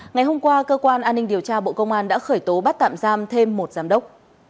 ngày hôm qua cơ quan an ninh điều tra bộ công an đã khởi tố bắt tạm giam thêm một giám đốc